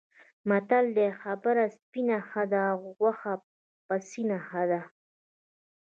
متل دی: خبره سپینه ښه ده، غوښه پسینه ښه ده.